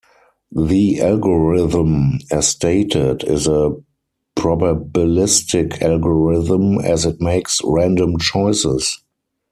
The algorithm as stated is a probabilistic algorithm as it makes random choices.